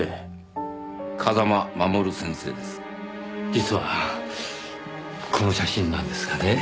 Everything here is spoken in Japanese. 実はこの写真なんですがね。